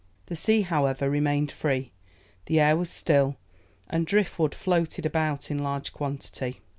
The sea, however, remained free, the air was still, and drift wood floated about in large quantity.